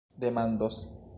demandos